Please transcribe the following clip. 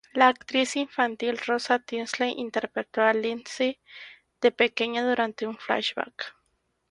La actriz infantil Rosa Tinsley interpretó a Lindsey de pequeña durante un flashback.